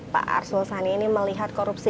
pak arsul sani ini melihat korupsi